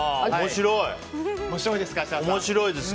面白いです。